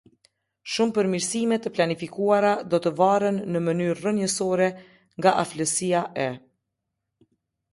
Shumë përmirësime të planifikuara do të varen në mënyrë rrënjësore nga aflësia e.